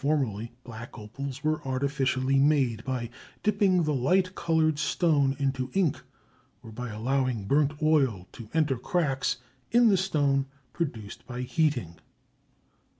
Formerly black opals were artificially made by dipping the light colored stone into ink, or by allowing burnt oil to enter cracks in the stone produced by heating.